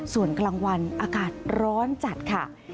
ส่วนกลางวันอากาศร้อนจัดค่ะ